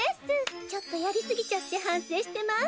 ちょっとやりすぎちゃって反省してます。